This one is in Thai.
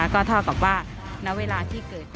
ก็เท่ากับว่าณเวลาที่เกิด